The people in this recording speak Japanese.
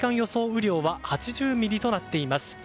雨量は８０ミリとなっています。